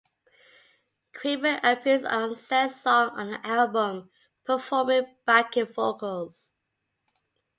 Kramer appears on said song on the album, performing backing vocals.